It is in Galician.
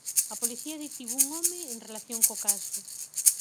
A policía detivo un home en relación co caso.